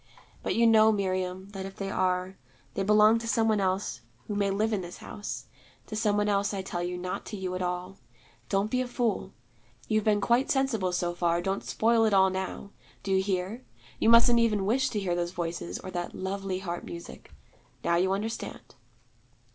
But you know, Miriam, that if they are, they belong to some one else who may live in this house: to some one else, I tell you, not to you at all. Don't be a fool. You've been quite sensible so far: don't spoil it all now. Do you hear? you mustn't even wish to hear those Voices, or that lovely harp music. Now you understand.'